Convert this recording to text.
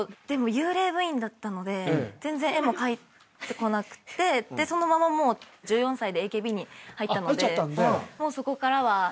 でも幽霊部員だったので全然絵も描いてこなくてそのままもう１４歳でＡＫＢに入ったのでもうそこからは。